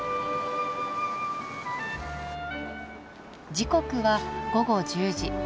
時刻は午後１０時。